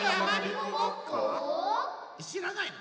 しらないの？